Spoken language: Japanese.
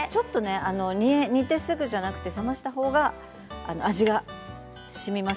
煮てすぐではなくて冷ました方が味がしみていきます。